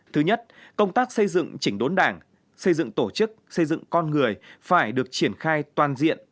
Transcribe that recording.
thứ nhất công tác xây dựng chỉnh đốn đảng xây dựng tổ chức xây dựng con người phải được triển khai toàn diện